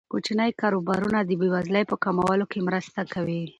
کوچني کاروبارونه د بې وزلۍ په کمولو کې مرسته کوي.